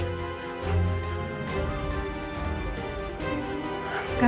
enggak enggak enggak